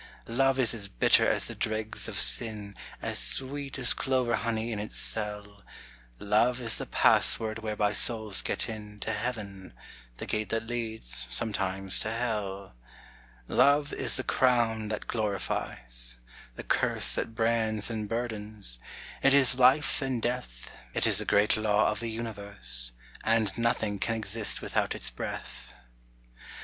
Love is as bitter as the dregs of sin, As sweet as clover honey in its cell; Love is the password whereby souls get in To Heaven the gate that leads, sometimes, to Hell. Love is the crown that glorifies; the curse That brands and burdens; it is life and death It is the great law of the universe; And nothing can exist without its breath.